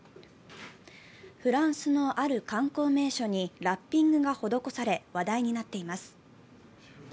フランスのある観光名所にラッピングが施され話題になっています。